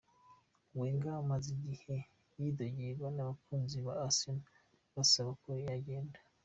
Wenger amaze igihe yidogegwa n'abakunzi ba Arsenal basaba ko yogenda.